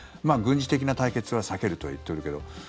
軍事的な対決は避けるとは言っているけど。